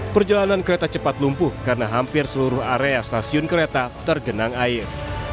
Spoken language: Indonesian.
perjalanan kereta cepat lumpuh karena hampir seluruh area stasiun kereta tergenang air